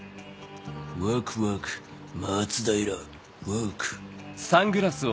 ワクワク松平ワーク。